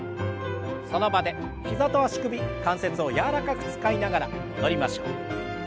その場で膝と足首関節を柔らかく使いながら戻りましょう。